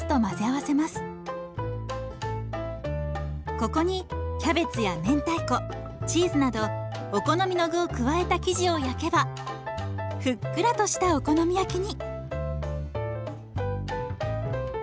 ここにキャベツや明太子チーズなどお好みの具を加えた生地を焼けばふっくらとしたお好み焼きに！